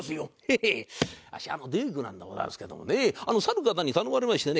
ヘヘッあっしは大工なんでございますけどもねさる方に頼まれましてね